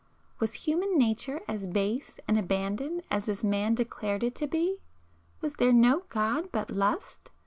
Was human nature as base and abandoned as this man declared it to be? Was there no God but Lust?